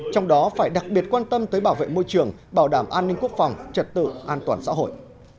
trong đó phải đặc biệt quan tâm tới bảo vệ môi trường bảo đảm an ninh quốc phòng trật tự an toàn xã hội